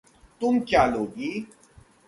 तुम क्या लोगी?